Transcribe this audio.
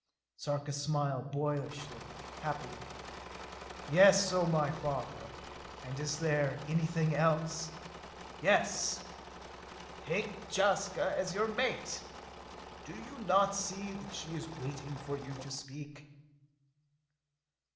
Sarka smiled boyishly, happily. "Yes, O my father; and is there anything else?" "Yes! Take Jaska as your mate! Do you not see that she is waiting for you to speak?"